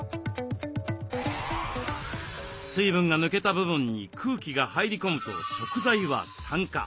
水分が抜けた部分に空気が入り込むと食材は酸化。